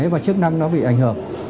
và chức năng nó bị ảnh hưởng